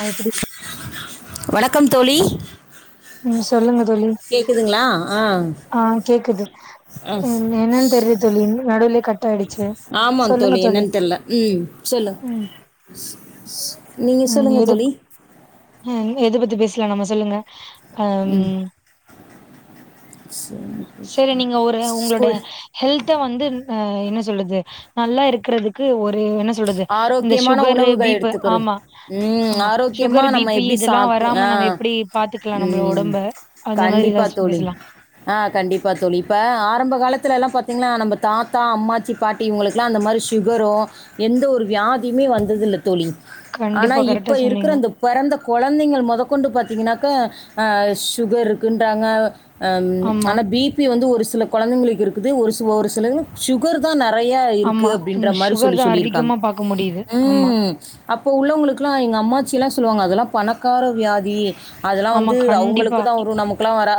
ஆ இப்பிடி வணக்கம் தோழி ம் சொல்லுங்க தோழி கேக்குதுங்ளா ஆ ஆ கேக்குது ஆ என்னன்னு தெரிலா தோழி நடுவுல்லே கட் ஆயிடுச்சு ஆமா தோழி என்னன்னு தெர்ல ம் சொல்லு ம் நீங்க சொல்லுங்க தோழி அ எது பத்தி பேசலா நம்ம சொல்லுங்க ம் அம் [unintelligible] செரி நீங்க ஒரு உங்களோட ஹெல்த்த வந்து என்ன சொல்லது நல்லா இருக்கறதுக்கு ஒரு என்ன சொ [unintelligible] இந்த ஆரோக்கியமான ஷுகரு உணவுகள் பீப்பு எடுத்துக்கிறது ஆமா ம் ஆமா ஷுகர் ஆரோக்கியமாக பி நம்ம பி எப்படி இதெல்லா சாப்பிட்டு ஆ வராம நம்ம எப் எப்டி பாத்துக்லா நம்மள ம் ஒடம்ப அந்த மாரி கண்டிப்பாக ஏதாச்சு தோழி பேசலா ஆ கண்டிப்பா தோழி இப்ப ஆரம்ப காலத்துல எல்லா பாத்தீங்ன்னா நம்ம தாத்தா அம்மாச்சி பாட்டி இவங்களுக்கெல்லா அந்த மாரி ஷுகரோ எந்த ஒரு வியாதியுமே வந்ததில்ல தோழி ஆனா கண்டிப்பா கரெக்டா இப்ப இருக்குற சொன்னீங்க இந்தப் பெறந்த கொழந்தைங்கள் மொதக்கொண்டு பாத்தீங்கன்னாக்கா ஆ ஷுகர் இருக்குன்றாங்க அ ஆமா ஆனா பி பி வந்து ஒரு சில கொழந்தைங்களுக்கு இருக்குது ஒரு சில ஒரு சிலரு ஷுகர்தா நெறைய இருக்கு ஆமா அப்டின்ற ம் மாரி சுகர் சொல்லி தா சொல்லியிருக்காங்க அதிகமா பாக்க முடியுது ஆமா ம் அப்ப உள்ளவங்களுக்குலா எங்க அம்மாச்சியெல்லா சொல்லுவாங்க அதெல்லா பணக்கார வியாதி அதெல்லா ஆமா வந்து அவங்களுக்கு கண்டிப்பா. தா வரு நமக்கெல்லா வரா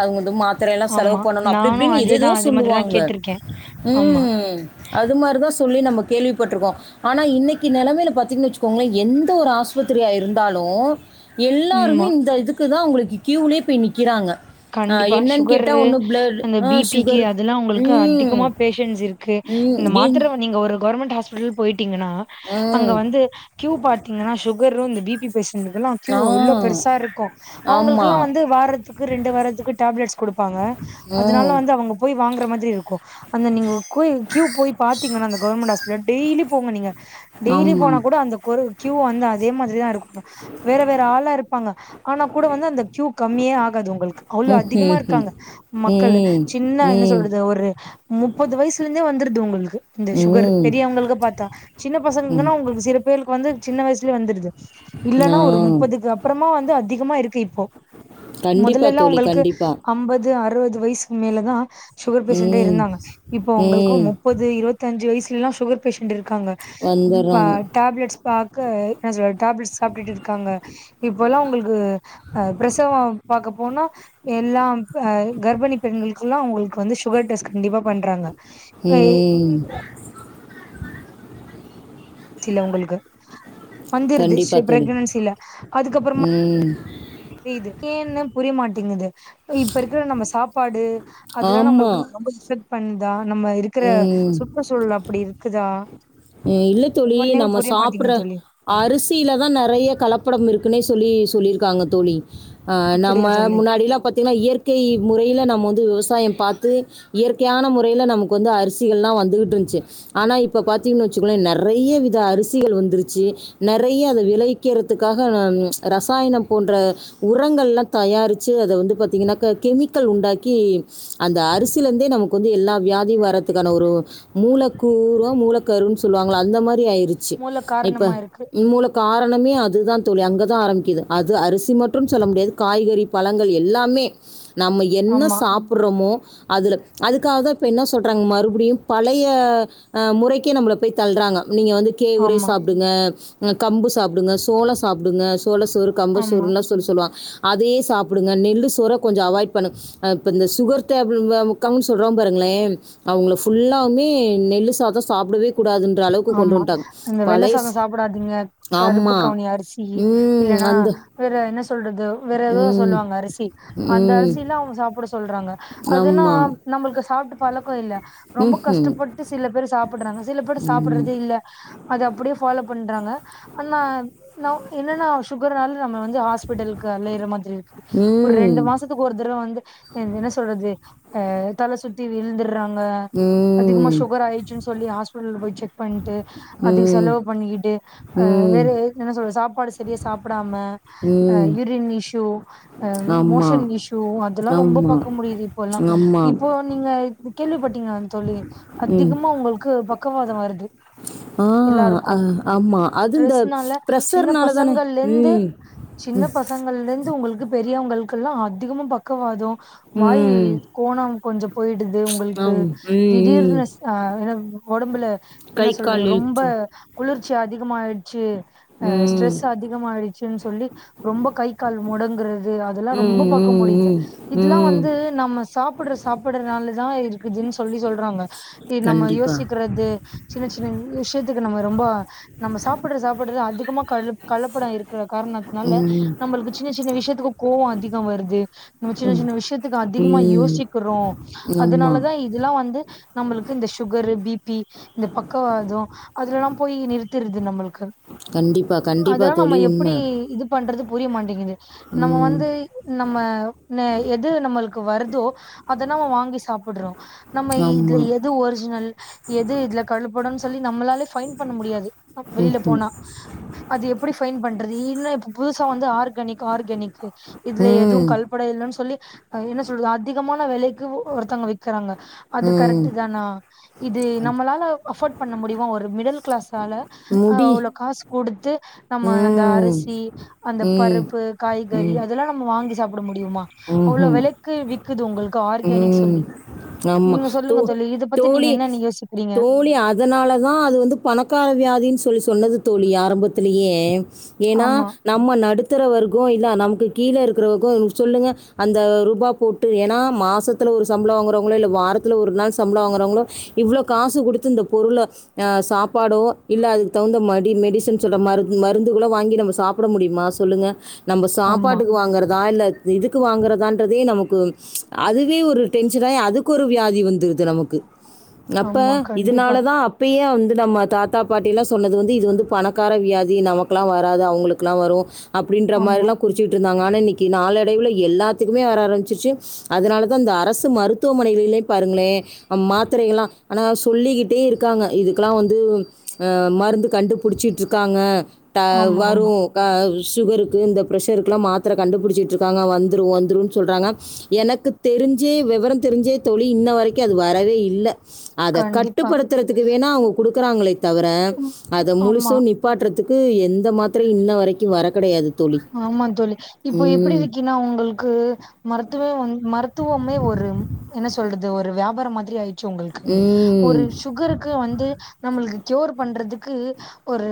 மாத்திரயெல்லா செலவு ஆமா. பண்ணனோ அப்டி நானும் இப்டின்னு ஏதேதோ அதேதான் அதே மாதிரி தான் சொல்லுவாங்க கேட்டிருக்கேன். க ஆமா. ம் அது மாரிதா சொல்லி நம்ம கேள்விப்பட்ருக்கோ ஆனா இன்னைக்கி நெலமையில பாத்தீங்ன்னு வச்சுக்கோங்ளே எந்த ஒரு ஆஸ்பத்திரியா இருந்தாலு எல்லாருமே ம்மா. இந்த இதுக்கு தா உங்களுக்கு கியூலே போய் நிக்கிறாங்க அ கண்டிப்பா என்னன்னு கேட்டா ஷுகரு ஒண்ணு பிளட் அந்த அ பி பிக்கு சுகர் அதெல்லா உங்களுக்கு ம். அதிகமா பேஷன்ட்ஸ் இருக்கு ம். இந்த ஏன் மாத்தர நீங்க ஒரு கவுர்மெண்ட் ஹாஸ் பிடல் போயிட்டீங்கன்னா அங்க ம். வந்து கியூ பாத்தீங்கன்னா ஷுகரு இந்த பி பி பேஷண்ட்டுக்கல்லா கியூ ஆ. எவ்ளோ பெருசா இருக்கோ ஆமா. அவங்களுக்ல்லா வந்து வாரத்துக்கு ரெண்டு வாரத்துக்கு டேப்லெட்ஸ் குடுப்பாங்க அதனால ம். வந்து அவங்க போய் வாங்ற மாரி இருக்கு அந்த நீங்க கோ கியூ போய் பாத்தீங்கன்னா அந்த கவர்மெண்ட் ஹாஸ்பிட்டல்ல டெய்லியு போங்க நீங்க டெய்லி ஆமா. போனா கூட அந்த கொரு கியூ வந்து அதே மாரிதா இருக்குமாம் வேற வேற ஆளா இருப்பாங்க ஆனா கூட வந்து அந்த கியூ கம்மியே ஆகாது உங் களுக்கு அவ்ளோ அதிகமா ம்ஹ்ஹ்ம். இருக்காங்க மக்களு ம். சின்ன என்ன ம். சொல்றது ஒரு முப்பது வயசுலந்தே வந்துருது உங்களுக்கு இந்த ம். ஷுகர் ம். பெரியவங்களுக்கு பாத்தா சின்ன ம் பசங்களுக்குன்னா அவுங்களுக்கு சில பேருக்கு வந்து சின்ன வயசலேயே வந்துருது ஆ. இல்லன்னா ஒரு முப்பதுக்கு அப்பறமா வந்து அதிகமா இருக்கு இப்போ கண்டிப்பா மொதல்லல்லா தோழி, அவுங்களுக்கு கண்டிப்பா. அம்பது அறுவது வயசுக்கு மேலதா ஷுகர் பேஷண்ட்டே ம் இருந்தாங்க இப்ப அவுங்களுக்கு ம் முப் பது இருவத்தி அஞ்சு வயசுலல்லா ஷுகர் பேஷன்ட்டு இருக்காங்க வா வந்துடுறாங்க டேப்லெட்ஸ் பாக்க என்ன சொல்லத் டேப்லெட் சாப்ட்டுட்டு இருக்காங்க இப்போல்லா உங்களுக்கு அ பிரசவோ பாக்க போனா எல்லாம் பெ கர்ப்பிணி பெண்களுக்குல்லா அவுங்களுக்கு வந்து ஷுகர் டெஸ்ட் கண்டிப்பா பண்றாங்க ம் தீல உங்களுக்கு வந்துருது ஷு கண்டிப்பாக தோழி பிரெக்னன்சில அதுக்கப்புறமா ம் ஏ இது ஏ ன்னு புரியமாட்டேங்குது இப்ப இருக்குற நம்ம சாப்பாடு அதெல்லா ஆமாம் நம்மளுக்கு ரொம்ப இஸ் ஸட் பண்ணுதா நம்ம இருக்கிற ம் சுற்றுச்சூழல் அப்டி இருக்குதா ஒண்ணுமே புரிய மாட்டேங்குது தோழி அரிசிலதா நெறைய கலப்படோ இருக்குன்னே சொல்லி சொல்லியிருக்காங்க தோழி அ நம்ம அப்படியா தோழி முன்னாடியில்லா பாத்தீங்ன்னா இயற் கை முறையில நம்ம வந்து விவசாயோ பாத்து இயற்கையான முறையில நமக் வந்து அரிசிகள்லா வந்துகிட்டு இருந்ச்சி ஆனா இப்ப பாத்தீங்ன்னு வச்சுங்ளே நெறைய வித அரிசிகள் வந்துருச்சு நெறைய அது விளைக்கிறதுக்காக ரசாயனம் போன்ற உரங்கள்ளா தயாரிச்சு அத வந்து பாத்தீங்கன்னாக்கா கெமிக்கல் உண்டாக்கி அந்த அரிசியில இருந்தே நமக்கு வந்து எல்லா வியாத் தி வர்றதுக்கான ஒரு மூலக்கூறோ மூலக்கருன்னு சொல்லுவாங்கள அந்த மாரி ஆயிருச்சு மூல இப்ப காரணமா இருக்கு இன் மூலக் காரணமே அதுதான் தோழி அங்கதான் ஆரம்பிக்குது அது அரிசி மற்றூ சொல்ல முடியாது காய்கறி பழங்கள் எல்லாமே நம்ம என்ன ஆமா சாப்பிறோமோ அதுல அதுக்காகதா இப்ப என்ன சொல் றாங்க மறுபடியூ பழய முறைக்கே நம்மளை போய் தள்ளறாங்க நீங்க வந்து கேவுவ்ரோ ஆமா சாப்பிடுங்க கம்பு சாப்பிடுங்க சோளோ சாப்பிடுங்க சோள சோறு கம்ப ஆமா சோறுல்லா சொல் சொல்லுவாங்க அதே சாப்பிடுங்க நெல்லு சோற கொஞ்சோ அவாய்ட் பண்ணுங்க அ இப்ப இந்த சுகர் டெபிள் வ உக்காவூ சொல்றா பாருங்களே அவங்கள ஃபுல்லாமே நெல் சாதெ சாப்பிடவே கூடாதுன்ற அளவுக்கு கொண்டு ஆமா வட்டங்க அந்த வெள்ள பழஸ் சாதோ ஆம்மா ஹ் ஹூம் இல்லன்னா வேற என்ன சொல்றது வேற ஏதோ ம் சொல்லுவாங்க அரிசி அந்த ம் அரிசில்லா அவங்க சாப்பிட சொல்றாங்க அதுனா ஆமா நமக்கு சாப்ட்டு பழக்கோ இல்ல ரொம்ப ம்ஹும். கஷ்டப்பட்டு சில பேரு சாப்பிட்றாங்க சில பேர் ம் சாப்டுறதே அது அப்படியே ஃபாலோ பண்றாங்க ஆனா னோ என்னன்னா சுகர்னால நம்ம வந்து ஹாஸ்பிட்டலுக்கு அலையற மாதிரி இருக்கு ம் ஒரு ம் ரெண்டு மாசத் துக்கு ஒரு தடவ வந்து என்ன சொல்றது அஹ் தல சுத்தி விழுந்துட்றாங்க அதிகமா ம் சுகர் ஆயிச்சு சொல்லி ஹாஸ்பிடல போய் செக் பண்ணி ட்டு அதுக்கு செலவு பண்ணிக்கிட்டு அஹ் வேற ம் என்ன சொல்றது சாப்பாடு சரியா சாப்பிடாம அ ம் யூரின் இஷூ ஹ ஆமா மோஷன் இஷூ அதெல்லா ரொம்ப ஆமா பாக்க முடியுது இப்பல்லா ஆமா இப்போ நீங்க இப் கேள்விப்பட்டீங்களா தோழி ம் அதிகமா உங்களுக்கு பக்கவாதோ வர்து ஆ எல்லாருக்கூ அ- ஆமா அது இந்த ஸ்ட்ரெஸ்னால சின்ன ப்ரெஷர்னால தானே பசங்கள்ல இருந்து ம் சின்ன பசங்க சின்ன பசங்கல இருந்து உங்களுக்கு பெரியவங்களுக்குல்லா அதிகம பக்கவாதெ வாய் ம் கோணோ கொஞ்சோ போயிடுது உங்களுக்கு ஆம். ம் ம் திடீர்னு அ ஒடம்புல என்ன கை சொல்றது கால் ரொம்ப இழுத்து குளிர்ச்சி அதிகமாயிச்சு அ ம் ஸ்ட்ரெஸ் அதிகமாயிடுச்சுன் சொல்லி ரொம்ப கை கால் முடங்குறது அதல்லா ம் ரொம்ப பாக்க ம் முடிய்து ம் இதுலா ம் வந்து நம்ம சாப்புட்ற சாப்பாடுனாலதா இருக்குதுன் சொல்லி சொல்றாங்க இ நம்ம கண்டிப்பா யோசிக்றது சின்ன சின்ன விஷ்யத்துக்கு நம்ம ரொம்போ நம்ம சாப்புட்ற சாப்பாடுல அதிகமா கடுல கலப்படோ இருக் குற கார்ணத்னால ம் நம்பளுக்கு சின்ன சின்ன விஷ்யத்துக்கு கோவோ அதிக வர்து நம்ம சின்ன சின்ன விஷ்யத்துக்கு அதிகமா ம் யோசிக்கிறோ ஆமாம் அதுனாலதா இது இதுலா வந்து நம்பளுக்கு இந்த சுகரு பிபி இந்த பக்கவாதோ அதுலல்லா போயி நிறுத்திருது நம்மளுக்கு கண்டிப்பா கண்டிப்பா அதல்லா நம்ம தோழி உண்மை எப்புடி இது பண்றது புரிய மாட்டேங்குது நம்ம ம் வந்து நம்ம ந எது நம்மளுக்கு வருதோ அதனா வ வாங்கி சாப் புட்றோ நம்ம இதுல ஆமா எது ஒரிஜினல் எது இதுல ஓடன் சொல்லி நம்மளாலே ஃபைன் பண்ண முடியாது வெளில ம்ஹும். போனா அது எப்புடி ஃபைன் பண்றது இன்ன இப்ப புதுசா வந்து ஆர்கனிக் ஆர்கனிக் இதுல எது ம் கல் பட இல்லன் சொல்லி என்ன சொல்றது அதிகமான வெலைக்கு ஒர்த்தங்க விக்கிறாங்க அது ம் கரட்டு தானா இது நம்மளால அஃபோர்ட் பண்ண முடியுமா ஒரு மிடில் க்ளாஸ் ஆள முடி அவ்ளோ காஸ் குடுத்து நம்ம அந்த ம் அரிசி அந்த ம் பருப்பு காய்கறி ம் அதெல்லா நம்ம வாங்கி சாப்புட முடியுமா அவ்ளோ ம்ஹும். வெலைக்கு விக்குது உங்களுக்கு ஆர்கேனிக் சொல்லி அம்மா நீங்க தோ சொல்லுங்க தோழி இத பத்தி நீங்க தோழி என்னன்னு யோசிக்கிறீங்க தோழி அத் அதனாலதா அது வந்து பணக்கார வியாதின்னு சொல்லி சொன்னது தோழி ஆரம்பத்துலியே ஏன்னா ஆமா நம்ம நடுத்துர வர்கோ இல்லா நமுக்கு கீழே இருக்குறவக்கோ சொல்லுங்க அந்த ரூபா போட்டு ஏன்னா மாசத்துல் ஒரு சம்ப்ள வாங்குறவுங்ளோ இல்ல வாரத்துல ஒரு நாள் சம்ப்ள வாங்குறவுங்ளோ இவ்வளோ காசு குடுத்து இந்த பொருள அ சாப்பாடோ இல்ல அதுக்கு தகுந்த மாடி மெடிசன் சொட மருந் மருந்துகளோ வாங்கி நம்ப சாப் குட முடிய்மா சொல்லுங்க நம்ப ஆமா சாப்பாட்டுக் வாங்குற்தா இல்ல த இதுக்கு வாங்குறதான்றதே நமக்கு அதுவே ஒரு டென்ஷனாயி அதுக்கு ஒரு வியாதி வந்துருது து நமக்கு அப்ப ஆமா கண்டிப்பா இதுனாலதா அப் பியே வந்து நம்ம தாத்தா பாட்டில்லா சொன்னது வந்து இது வந்து பணக்கார வியாதி நமக்லா வராது அவுங்களுக்குலா வரு அப்டின்ற ஆமா மாரிலா குறிச்சிக்கிட்ருந்தாங்க ஆனா இன்னக்கி நாளடைவில எல்லாத்துக்குமே வர ஆரமிச்சிருச்சு அதுனாலதா இந்த அரசு மருத்துவமனைகிளில பாருங்ளே அம் மாத்துரைகலா அனா சொல்லிக்கிட்டே இருக்காங்க இதுக்குலா வந்து அ மருந்து கண்டுபுடுச்சிட்ருக் க்காங்க ட ஆமா வரு ஆமா க சுகருக்கு இந்த பிரஷருக்குலா மாத்தர கண்டுபுடுச்சிட்ருக் க்காங்க வந்துரு வந்துருன் சொல்றாங்க எனக்கு தெரிஞ்சு விவர தெரிஞ்சே தோழி இன்ன வரக்கு அது வரவே இல்ல அத கண்டிப்பா கட்டுப்படுத்துறதுக்கு வேணா அவுங்க குடுக்குறாங்களே தவிர ம் அத ஆமா முழுசு நீ பாட்றதுக்கு எந்த மாத்தரையு இன்ன வரக்கு வர கடையாது ஆமா தோழி இப்போ எப்புடி இருக்கீன்னா உங்களுக்கு மருத்துவே வந் மருத்துவமே ஒரு என்ன சொல்றது ஒரு வியாபார மாத்ரி ஆயிட்ச்சு உங்களுக்கு ம் ஒரு சுகருக் கு வந்து நம்மளுக்கு கியோர் பண்றதுக்கு ஒரு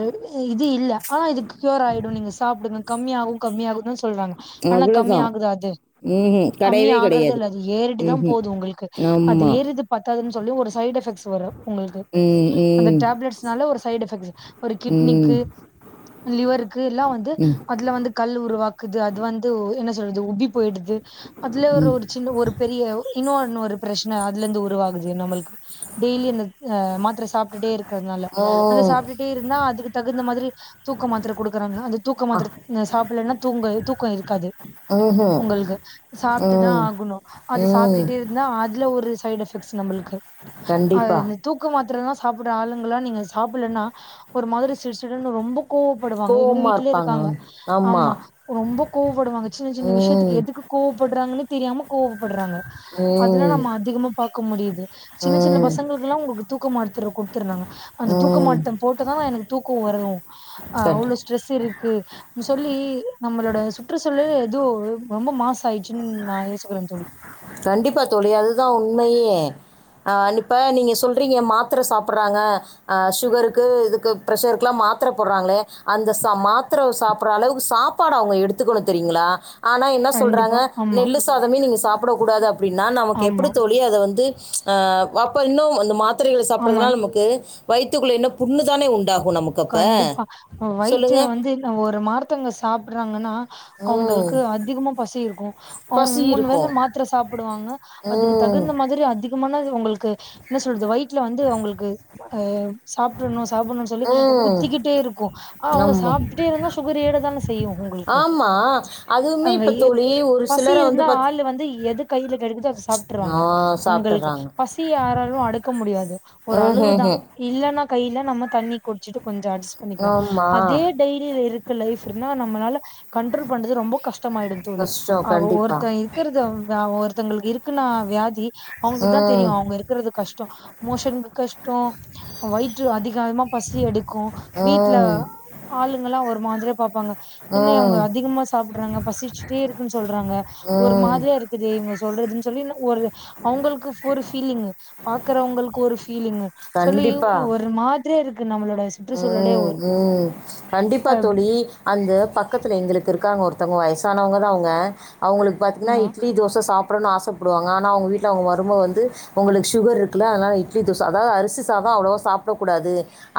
இது இல்ல ஆனா இதுக்கு கியூர் ஆயிடும் நீங்க சாப்டுங்க கம்மியாகு கம்மியாகுன்தா சொல்றாங்க ஆனா கம்மி அவ்வளோதான் ஆகுதா அது ம் கம்மி கிடையவே ஆகற்தே கிடையாது இல்ல அது ஏறிட்டுதா ம் போது உங்களுக்கு அது ஆமாம் ஏறுது பத்தாதுன் சொல்லி ஒரு சைட் எஃபெக்டஸ் வரு உங்குள்க்கு ம் அந்த ம் டேப்லெட்ஸ்னால ஒரு சைட் எஃபெக்ட்ஸு ஒரு ம் கிட்னிக்கு லிவருக்கு இல்லா வந்து ம் அதுல வந்து கல் உருவாக்குது அது வந்து வு என்ன சொல்து உப்பி போய்டுது அதுல ஒரு ம் ஒரு சின்ன ஒரு பெரிய இன்னோன்னு ஒரு ப்ரச்சன அதுலெர்ந்து உருவாகுது நம்மள்க்கு டெய்லி அந்த அ மாத்திர சாப்ட்டுட்டே இருக் க்ருதுனால ஓ அந்த சாப்பிட்டுட்டே இருந்தா அதுக்கு தகுந்த மாதிரி தூக்க மாத்திர குடுக்குறாங்க அந்த தூக்க அ மாத்திர சாப்பில்லன்னா தூங்க தூக்கொ இருக்காது ம்ஹ்ம். உங்களுக்கு சாப்ட்டுதா ம். ஆகுணு அது ம். சாப்ட்டுட்டு இர்ந்தா அதுலஒரு சைட்எபெக்ட்ஸ் நம்பளுக்கு கண்டிப்பா. அந் தூக்கமாத்துரலா சாப்புட்ற ஆளுங்கலா நீங்க சாப்புல்லன்னா ஒரு மாதிரி சிடுசிடுன்னு ரொம்பக் கோவப்படுவாங்க எங்க கோவமா வீட்ல இருப்பாங்க. இருக்காங்க ஆமா. ஆம்மா ரொம்ப கோவப்படுவாங்க சின்ன சின்ன விஷ்யத்துக்கு ம். எதுக்கு கோவப்படுறாங்கன்னெ தெரியாம கோவப்படுறாங்க அதுல்லா ம். நம்ம அதிகமா பாக்க முடியுது சின்ன சின்ன ம். பசங்களுக்குல்லா உங்களுக்கு தூக்க மாத்திர குடுத்திற்றாங்க அந்த ம். தூக்கமாட்டம் போட்டுதா எனக்கு தூக்கொவரதும் ஆ கண்டி அவ்ளோ ஸ்ட்ரெஸ்இருக்கு மு சொல்லி நம்மளோட சுற்றுசூழல் எதூ ரொம்ப மாசு ஆயிட்ச்சுன் நா யோசிக்கிறே தோழி கண்டிப்பா தோழி அதுதா உண்மையே அ நிப்ப நீங்க சொல்றீங்க மாத்திர சாப்புட்றாங்க அ சுகருக்கு இதுக்கு பிரஷருக்குல்லா மாத்திர போடுறாங்ளே அந்த ச மாத்திர சாப்பிட்ற அளவுக்கு சாப் ப்பாட அவங்க எடுத்துக்குணு தெரியுங்களா ஆன என்ன சொல்றாங்க கண்டிப்பா ஆமா நெல்லு சாதமே நீங்க சாப்பிடக்கூடாது அப்டின்னா நம்மக்கு ஆமா எப்புடித்தோழி அதவந்து அ அப்ப இன்னும் அந்த மாத்திரைகளை ஆமா சாப்பற்றதுனால அம்மக்கு வயித்துக்குள்ள இன்னு புண்ணு தானே உண்டாகும நம்முக் கண்டிப்பா வயிற்று வந்துல் ஒரு மார்த்தங்க சாப்புட்றாங்கன்னா ம் அவங்குள்க்கு அதிகமா பசி இர்க்கு அவுங் பசி மூண் வேல இருக்கும் மாத்திர சாப்புடுவாங்க அதுக்கு ம் தகுந்த மாதிரி அதிகமானது உங்குள்க்கு என்ன சொல்து வயித்துல வந்து அவுங்குள்க்கு அ சாப்ட்றணு சாப்புன்ணுன் சொல்லி ம் குத்திக்கிட்டே இருக்கூ அவங்க ஆமாம் சாப்ட்டுட்டே இருந்தா சுகரு ஏறதான செய்யு உங்குளுக்கு ஆமா அதுவுமே அங்க இப்ப எ தோழி ஒரு பசி சிலரை வந்து இருந்தா பாத் ஆளு வந்து எது கையில கெடைகுதோ ஆ சாப்பிட்ர்வாங்க உங்கள்க்கு சாப்ட்டுர்றாங்க. பசி யாராலு அடக்க முடியாது ஒரு அளவுதா ம்ஹ்ஹும். இல்லன்னா கைல நம்ம தண்ணி குடிச்சிட்டு கொஞ்சொ அட்ஜஸ் பண்ணிக்லா ஆமா. அதே டெய்லிலஇருக்கு லைஃப்புர்ன்னா நம்மளால கண்ட்ரோல் பண்றது ரொம்போ கஷ் டமாயிடு தோழி கஷ்டம் அவ கண்டிப்பா. ஒருத்த இருக்கற்த அவ ஒருத்தங்ளுக்கு இருக்குன்னா வியாதி அவுங்குதா தெரியு ம். அவுங்க இருக்கற்து கஷ்டொ மோஷன்க்கு கஷ்டோ வயிற்று அதிகமா பசி தி எடுக்கு வீட்டுல ம். ஆளுங்கல்லா ஒரு மாஞ்சு பாப்பாங்க இன்ன அவுங்க ம். அதிகம்மா சாப்புட்ற்றாங்க பசிச்ட்டுட்டே இருக்குன் சொல்றாங்க ஒரு ம். மாதிரியாஇருக் த்துது இவுங்க சொல்றதுன் சொல்லின்னா ஒரு அவுங்களுக்குஃப் ஒரு ஃபில்லிங்கு பா க்றவங்கள்கு ஒரு ஃபிலிங் சொல்லி கண்டிப்பா. ஒரு மாத்ரியாருக்கு நம்மளோட சுற்றுச்சூழலே ம் ஒரு ம் கண்டிப்பா அ தோழி அந்த பக்கத்துல எங்ளுக்கு இருக்காங்க ஒருத்தவ்ங்க வயசானவங்க தா அவுங்க அவுங்ளுக் பாத்திங்கனா ஆமா இட்லி தோச சாப்புடனு ஆசப்படுவாங்க ஆனா அவுங்க வீட்ல அவுங் மரும வந்து உங்ளுக் சுகர் இருக்குல்ல அதுனால இட்லி தோச அதா அரிசி சாத அவ்ளவா சாப்டக்கூடாது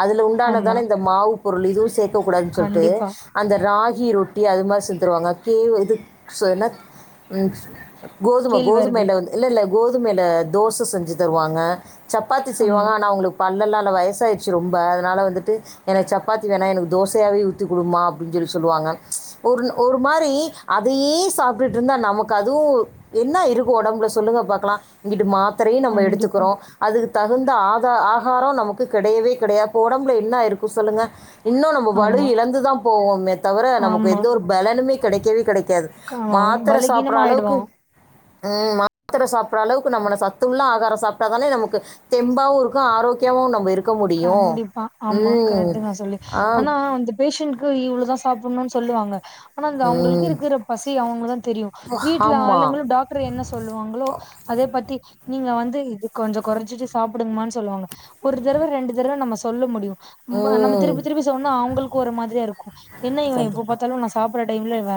அதுல ஆமா த்தானதுதான இந்த மாவு பொருளு இதுவு சேக்கக் கூடாது சொல்ட்டு கண்டிப்பா அந்த ராகி ரொட்டி அது மார் செஞ்த்தருவாங்க கேவ் இதுக் ச என்ன ம் கோதும கேழ்வரகு கோதுமையில வந் இல்ல இல்ல கோதுமைல தோச செஞ்சுத் தருவாங்க சப்பாத்தி செய்வாங்க ஆமா ஆன்னா அவுங்ளுக் பல்லலா இல்ல வயசாயிர்ச்சு ரொம்ப அதனால வந்துட்டு எனக் சப்பாத்தி வேணா எனக் தோசையாவே ஊத்தி குடுமா அப்டின் சொல்லி சொல்லுவாங்க ஒர் ஒரு மாரி அதையே சாப்ட்டுட்ருந்தா நமக்கு அதுவு என்னா இருக்கு ஒடம்ல சொல்லுங்க பாக்கலா இங்கிட்டு மாத்திரையு நம்ப கண்டிப்பா எடுத்துக்குறோ அதுக்கு தகுந்த ஆதா ஆகாரோ நமக்கு கெடையவே கெடையாத் [unintelligible] டம்புல என்னா இருக்கு சொல்லுங்க இன்னு நம்ம வலு ஆமா இழந்துதா போவேமே தவர நமக்கு ஆமா எந்த ஒரு பெலனுமே கெடைக்கவே கெடை க்காது க மாத்தர சாப்ற்ற பலகீனமா அளவுக்கு ஆயிடுவோ ம் மாத்தர சாப்ற அளவுக்கு நம்மன சத்துல்ல ஆகாரம் சாப்டாதானே நமக்கு தெம்பாவு இருக்கு ஆரோக்கியாவு நம்ப இருக்க முடியு கண்டிப்பா ஆமா கரெட்டுங்க சொல்லி ஆனா அந்த பேஷண்ட்கு இவ்ளதா சாப்புண்னுன் சொல்லுவாங்க ஆனா அந்த அவுங்ளுக்கு ம் இருக்குற பசி அவுங்ளுகுதா தெரியு வீட்ல ஆமாம் ஆளுங்களு டாக்ட்ரு என்ன சொல்லுவாங்ளோ அதே பத்தி நீங்க வந்து இது கொஞ்ச கொறைச்சிட்டு சாப்டுங்கமானு சொல்லுவாங்க ஒரு தரவ ரெண்டு தரவ நம்ம சொல்ல முடியு ம் நம்ம திருப்பி திருப்பி சொன்னா அவுங்களுக் ஒரு மாதிரியா இருக்கு என்ன இவ எப்ப கண்டிப்பாக பாத்தாலு நா சாப்பற டைம்ல இவ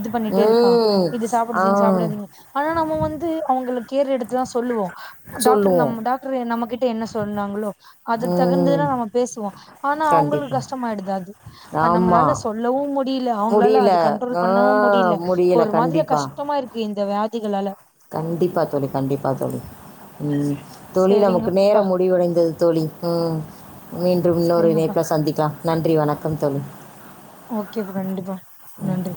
இது பண்ணிட்டேயிருக்கா ம். இது ஆ சாப்புட்ருது இது சாப்புடாதீங்க ஆனா நம்ம வந்து அவுங்கள கேர் எடுத்துதா சொல்லுவோ டாக்ட்ரு சொல்லுவோம். நம்ம டாக் ட்ரு நம்ம கிட்ட என்ன சொன்னாங்ளோ அத தகுந்துதா ம். நம்ம பேசுவோ ஆனா அவுங்களுக் கண்டிப்பா. கஷ்டமாயிடுது அது அ ஆமா. நம்பளால சொல்லவு முடியில அவுங்களால முடியல. அது கண்ட்ரோல் ஆ பண்ணவு முடில முடியல. ஒரு மாதிரியா கண்டிப்பா. கஷ்டமா இர்க் கு இந்த வியாதிகளால கண்டிப்பா தோழி கண்டிப்பா தோழி ம் தோழி நமக்கு நேர சரிங்கப்பா முடிவடைந்தது தோழி ம் மீண்டு இன்னொரு சரிங்கப்பா இணைப்ல சந்திக்லா நன்றி வணக்கம் தோழி ஓக்கேப்ப கண்டிப்பா நன்றி